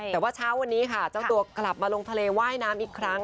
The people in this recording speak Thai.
แต่ว่าเช้าวันนี้ค่ะเจ้าตัวกลับมาลงทะเลว่ายน้ำอีกครั้ง